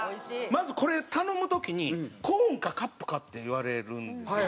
まずこれ頼む時にコーンかカップかって言われるんですよ。